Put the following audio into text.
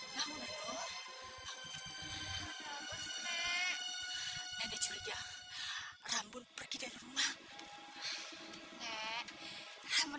nene curiga rambut pergi dari rumah